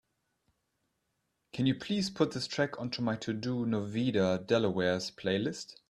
Can you please put this track onto my TODO NOVEDADelawareS playlist?